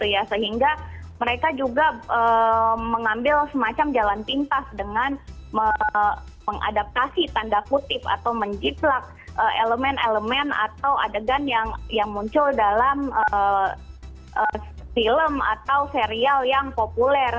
ya sehingga mereka juga mengambil semacam jalan pintas dengan mengadaptasi tanda kutip atau menjiplak elemen elemen atau adegan yang muncul dalam film atau serial yang populer